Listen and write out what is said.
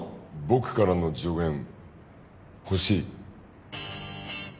僕からの助言ほしい？